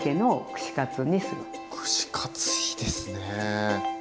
串カツいいですね。